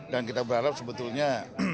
dan kita berharap sebetulnya